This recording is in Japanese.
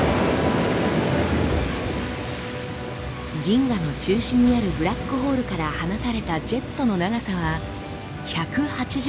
銀河の中心にあるブラックホールから放たれたジェットの長さは１８０万光年。